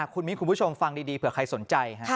คุณมิ้นคุณผู้ชมฟังดีเผื่อใครสนใจ